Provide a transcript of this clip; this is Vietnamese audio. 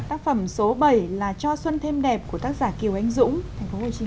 tác phẩm số bảy là cho xuân thêm đẹp của tác giả kiều anh dũng thành phố hồ chí minh